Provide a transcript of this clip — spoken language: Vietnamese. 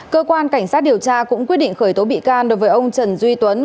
cơ quan cảnh sát điều tra cũng quyết định khởi tố bị can đối với ông trần duy tuấn